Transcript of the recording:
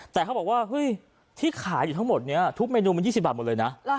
แต่เขาบอกว่าเฮ้ยที่ขายอยู่ทั้งหมดนี้ทุกเมนูมัน๒๐บาทหมดเลยนะ